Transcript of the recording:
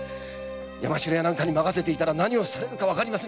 山城屋なんかに任せていたら何をされるかわかりません。